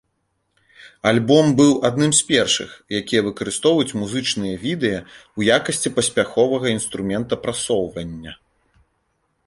Альбом быў адным з першых, якія выкарыстоўваюць музычныя відэа ў якасці паспяховага інструмента прасоўвання.